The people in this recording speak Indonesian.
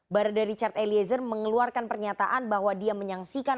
barada richard eliezer mengeluarkan pernyataan bahwa dia menyaksikan